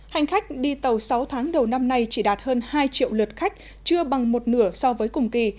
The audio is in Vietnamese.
hành khách đi tàu sáu tháng đầu năm nay chỉ đạt hơn hai triệu lượt khách chưa bằng một nửa so với cùng kỳ